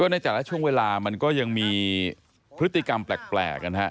ในแต่ละช่วงเวลามันก็ยังมีพฤติกรรมแปลกนะฮะ